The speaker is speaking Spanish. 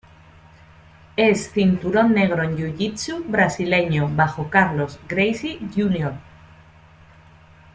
Es cinturón negro en Jiu-Jitsu Brasileño bajo Carlos Gracie Jr.